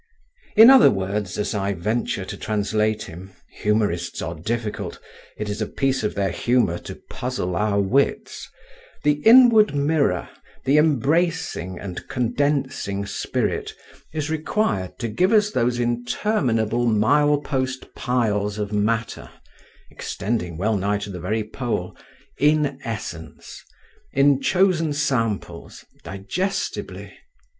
In other words, as I venture to translate him (humourists are difficult: it is a piece of their humour to puzzle our wits), the inward mirror, the embracing and condensing spirit, is required to give us those interminable milepost piles of matter (extending well nigh to the very Pole) in essence, in chosen samples, digestibly.